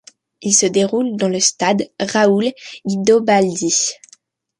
Il se déroule dans le stade Raul-Guidobaldi.